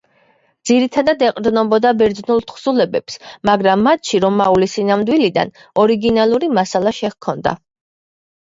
ძირითადად ეყრდნობოდა ბერძნულ თხზულებებს, მაგრამ მათში რომაული სინამდვილიდან ორიგინალური მასალა შეჰქონდა.